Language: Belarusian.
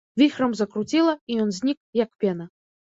Віхрам закруціла, і ён знік, як пена.